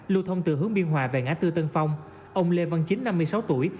lưu thông từ hướng biên hòa về ngã tư tân phong ông lê văn chính năm mươi sáu tuổi